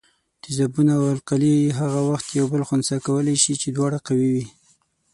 تیزابونه او القلي هغه وخت یو بل خنثي کولای شي چې دواړه قوي وي.